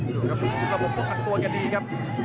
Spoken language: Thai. หรือครับอีกครับระบบก็ขัดตัวก็ดีครับ